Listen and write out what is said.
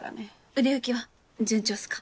売れ行きは順調っすか？